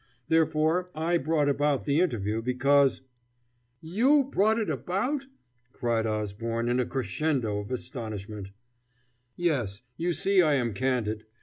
Therefore, I brought about the interview because " "You brought it about?" cried Osborne in a crescendo of astonishment. "Yes. You see I am candid.